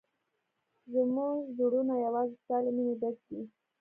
زموږ زړونه یوازې ستا له مینې ډک دي.